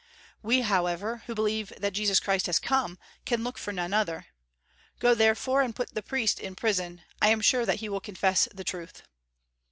We, however, who believe that Jesus Christ has come, can look for none other. Go, therefore, and put the priest in prison; I am sure that he will confess the truth."